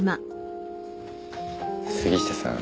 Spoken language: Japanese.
杉下さん